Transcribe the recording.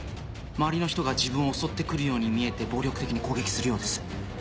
周りの人が自分を襲って来るように見えて暴力的に攻撃するようです。